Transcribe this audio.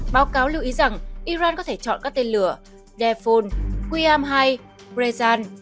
báo cáo lưu ý rằng iran có thể chọn các tên lửa defun qiyam hai brezan